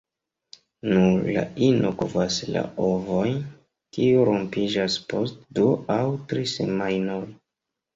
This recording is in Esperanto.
Nur la ino kovas la ovojn, kiuj rompiĝas post du aŭ tri semajnoj.